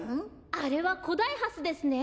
あれはコダイハスですね。